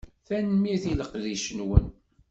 Tanemmirt i leqdic-nwen.